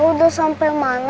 aku akan mencari cherry